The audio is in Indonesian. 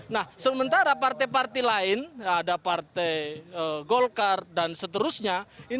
nah sementara partai partai lain ada partai golkar dan seterusnya